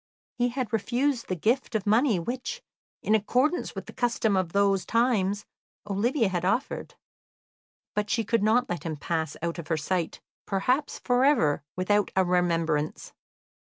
He had refused the gift of money which, in accordance with the custom of those times, Olivia had offered, but she could not let him pass out of her sight, perhaps for ever, without a remembrance.